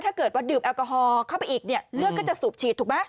ถ้าเกิดว่าดื่มแอลกอฮอล์เข้าไปอีกเนี่ยเลือดก็จะสูบฉีดถูกไหม